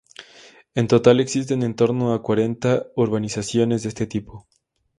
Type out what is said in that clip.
En total existen en torno a cuarenta urbanizaciones de este tipo.